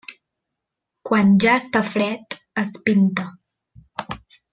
Quan ja està fred, es pinta.